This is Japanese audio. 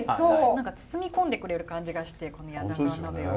何か包み込んでくれる感じがしてこの柳川鍋を。